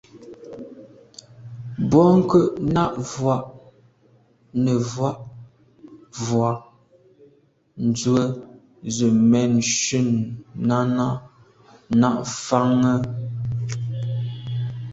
Bwɔ́ŋkə̂’ nɑ̂’ vwá’ nə̀ vwá’ vwɑ́’ dzwə́ zə̄ mɛ̂n shûn Náná ná’ fáŋə́.